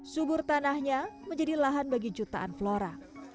subur tanahnya menjadi lahan bagi jutaan flora